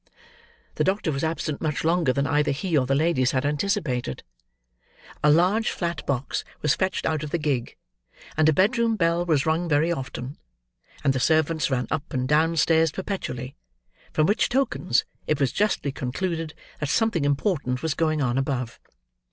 The doctor was absent, much longer than either he or the ladies had anticipated. A large flat box was fetched out of the gig; and a bedroom bell was rung very often; and the servants ran up and down stairs perpetually; from which tokens it was justly concluded that something important was going on above.